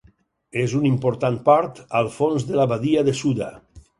És un important port al fons de la badia de Suda.